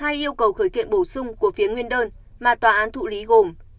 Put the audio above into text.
hai yêu cầu khởi kiện bổ sung của phía nguyên đơn mà tòa án thụ lý gồm